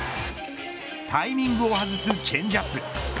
タイミングを外すチェンジアップ。